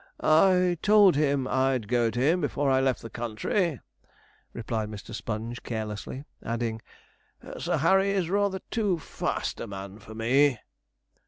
'I told him I'd go to him before I left the country,' replied Mr. Sponge carelessly; adding, 'Sir Harry is rather too fast a man for me.'